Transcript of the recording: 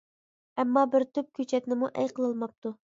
ئەمما بىر تۈپ كۆچەتنىمۇ ئەي قىلالماپتۇ.